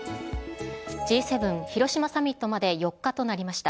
Ｇ７広島サミットまで４日となりました。